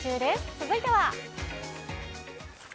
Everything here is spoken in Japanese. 続いては。